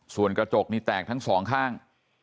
ส่วนกระจกนี่แตกทั้งสองข้าง